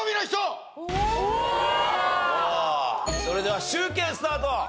それでは集計スタート。